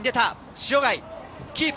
塩貝がキープ。